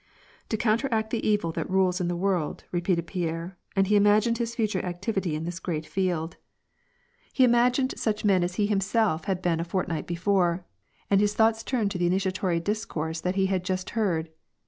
" To counteract the evil that rules in the world," repeated Pierre, and he imagined his future activity in this great field. 78 WAR AND PEACE. *^e imagined such men as he himself had been a fortnight be *%re, and his thoughts turned to the initiatory discourse that he had just heard.